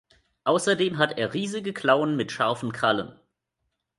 Außerdem hat er riesige Klauen mit scharfen Krallen.